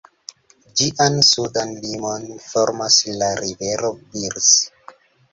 Ĝian sudan limon formas la rivero Birs.